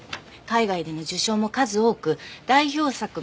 海外での受賞も数多く代表作